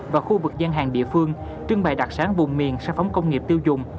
và khu vực gian hàng địa phương trưng bày đặc sản vùng miền sản phẩm công nghiệp tiêu dùng